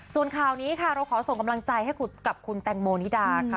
ส่วนข่าวนี้ค่ะเราขอส่งกำลังใจให้กับคุณแตงโมนิดาค่ะ